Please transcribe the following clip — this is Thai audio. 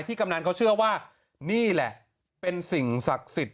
กำนันเขาเชื่อว่านี่แหละเป็นสิ่งศักดิ์สิทธิ์